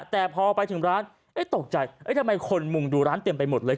แต่พอไปถึงร้านเอ๊ะตกใจเอ๊ะทำไมคนมุ่งดูร้านเตรียมไปหมดเลย